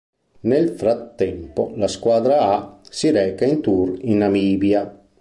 Nel frattempo, la squadra "A" si reca in tour in Namibia.